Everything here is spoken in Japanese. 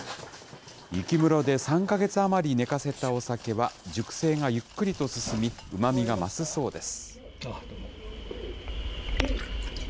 雪室で３か月余り寝かせたお酒は熟成がゆっくりと進み、うまみが増すそうです。